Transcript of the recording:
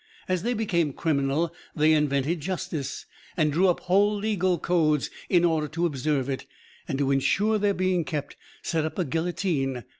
As they became criminal, they invented justice and drew up whole legal codes in order to observe it, and to ensure their being kept, set up a guillotine.